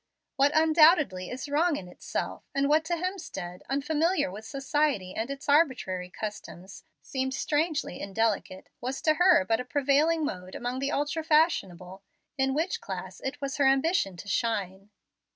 What undoubtedly is wrong in itself, and what to Hemstead, unfamiliar with society and its arbitrary customs, seemed strangely indelicate, was to her but a prevailing mode among the ultra fashionable, in which class it was her ambition to shine.